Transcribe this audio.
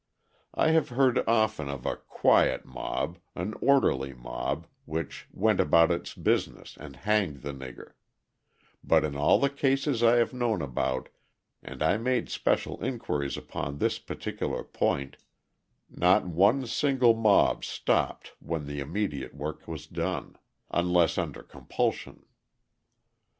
I have heard often of a "quiet mob," an "orderly mob," which "went about its business and hanged the nigger," but in all the cases I have known about, and I made special inquiries upon this particular point, not one single mob stopped when the immediate work was done, unless under compulsion.